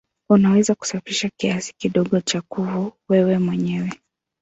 Unaweza kusafisha kiasi kidogo cha kuvu wewe mwenyewe.